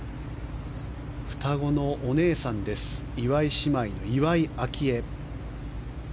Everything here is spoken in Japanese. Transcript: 双子のお姉さん岩井姉妹の岩井明愛。